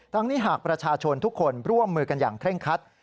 นี้หากประชาชนทุกคนร่วมมือกันอย่างเคร่งคัด